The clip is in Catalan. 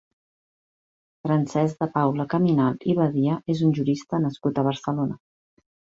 Francesc de Paula Caminal i Badia és un jurista nascut a Barcelona.